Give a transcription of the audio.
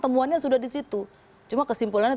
temuannya sudah disitu cuma kesimpulannya